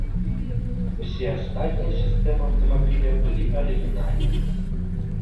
Усе астатнія сістэмы аўтамабіля былі арыгінальнымі.